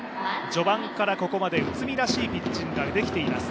序盤からここまで、内海らしいピッチングができています。